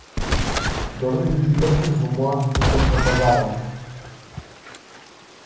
Додади житарки во мојот список за пазарење.